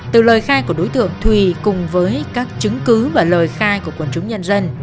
từ lời khai của đối tượng thùy cùng với các chứng cứ và lời khai của quần chúng nhân dân